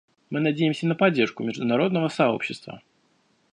Мы надеемся на поддержку международного сообщества.